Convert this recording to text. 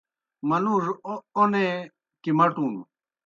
منُوڙوْ اوْنےکِمٹوْن/کِمَٹُن